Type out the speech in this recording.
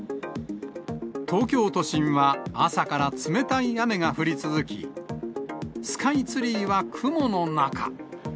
東京都心は朝から冷たい雨が降り続き、スカイツリーは雲の中。